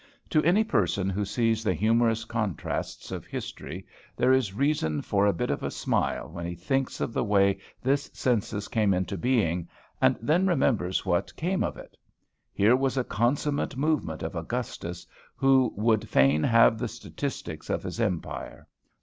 To any person who sees the humorous contrasts of history there is reason for a bit of a smile when he thinks of the way this census came into being, and then remembers what came of it. Here was a consummate movement of Augustus, who would fain have the statistics of his empire.